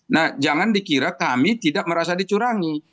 nah jangan dikira kami tidak merasa dicurangi